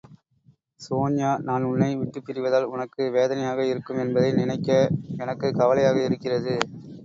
சோன்யா, நான் உன்னை விட்டுப் பிரிவதால் உனக்கு வேதனையாகவே இருக்கும் என்பதை நினைக்க எனக்குக் கவலையாகவே இருக்கிறது.